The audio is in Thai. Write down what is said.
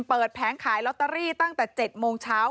แผงขายลอตเตอรี่ตั้งแต่๗โมงเช้า